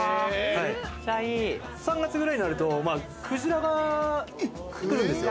３月くらいになるとクジラが来るんですよ。